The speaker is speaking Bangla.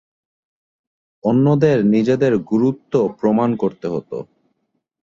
অন্যদের নিজেদের গুরুত্ব প্রমাণ করতে হতো।